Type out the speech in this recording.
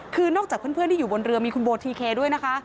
คือนอกจากเพื่อนที่อยู่บนเรือมีคุณโบทีเคด้วยนะคะ